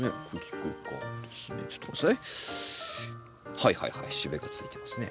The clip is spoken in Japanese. はいはいはいしべがついてますね。